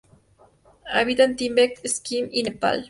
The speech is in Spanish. Habita en el Tibet, Sikkim y Nepal.